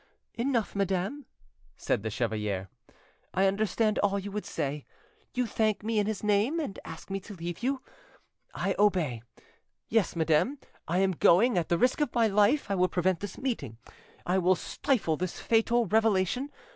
"Enough, madam," said the chevalier; "I understand all you would say. You thank me in his name, and ask me to leave you: I obey yes, madame, I am going; at the risk of my life I will prevent this meeting, I will stifle this fatal revelation.